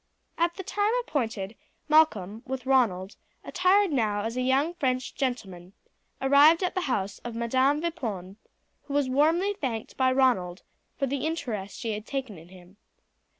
At the time appointed Malcolm, with Ronald, attired now as a young French gentleman, arrived at the house of Madam Vipon, who was warmly thanked by Ronald for the interest she had taken in him.